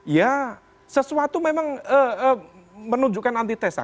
ya sesuatu memang menunjukkan antitesa